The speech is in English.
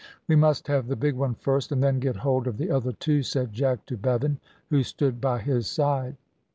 "We must have the big one first, and then get hold of the other two," said Jack to Bevan, who stood by his side.